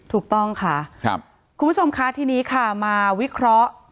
ถูกต้องค่ะคุณผู้ชมค่ะทีนี้ค่ะมาวิเคราะห์